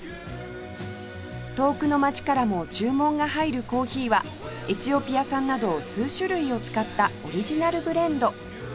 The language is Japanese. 遠くの街からも注文が入るコーヒーはエチオピア産など数種類を使ったオリジナルブレンド